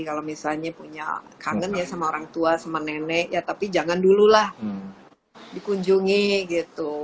kalau misalnya punya kangen ya sama orang tua sama nenek ya tapi jangan dulu lah dikunjungi gitu